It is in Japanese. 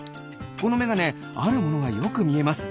このメガネあるものがよくみえます。